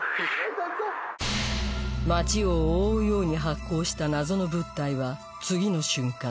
町を覆うように発光した謎の物体は次の瞬間